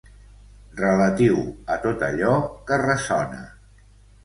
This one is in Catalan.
Relatiu a tot allò que ressona.